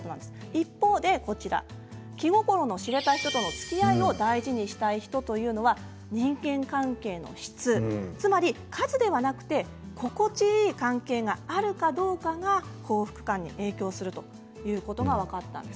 一方で気心の知れた人とのつきあいを大事にしたい人というのは人間関係の質つまり数ではなくて心地いい関係があるかどうかが幸福感に影響するということが分かったんです。